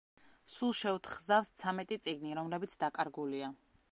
სულ შეუთხზავს ცამეტი წიგნი, რომლებიც დაკარგულია.